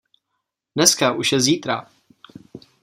Dneska už je zítra.